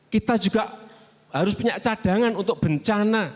kita juga harus punya cadangan untuk bencana